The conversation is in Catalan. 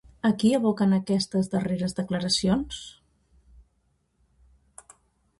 A qui evoquen aquestes darreres declaracions?